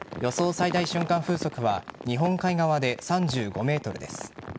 最大瞬間風速は日本海側で３５メートルです。